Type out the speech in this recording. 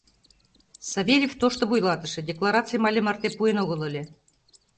Савельев — тошто вуйлатыше, декларацийым але марте пуэн огыл ыле...